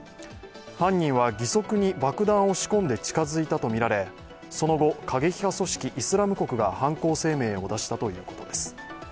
犯人は義足に爆弾を仕込んで近づいたとみられその後、過激派組織イスラム国が犯行声明を出したということです。